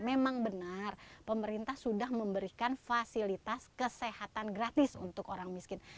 memang benar pemerintah sudah memberikan fasilitas kesehatan gratis untuk orang miskin